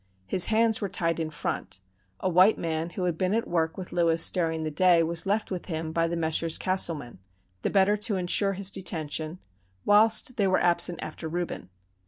His hands were tied in front; a white man, who had been at work with Lewis during the day, was left with him by the Messrs. Castleman, the better to insure his detention, whilst they were absent after Reuben.